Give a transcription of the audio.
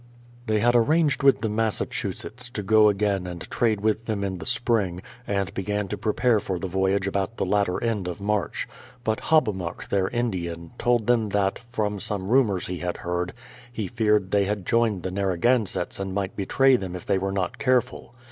They had arranged with the Massachusetts to go again and trade with them in the spring, and began to prepare for the voyage about the latter end of March. But Hobbamok, their Indian, told them that, from some rumours he had heard, he feared they had joined the Narragansetts and might betray them if they were not careful.